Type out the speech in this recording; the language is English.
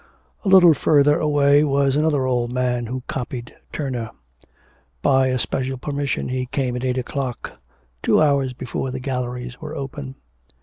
A little further away was another old man who copied Turner. By a special permission he came at eight o'clock, two hours before the galleries were open.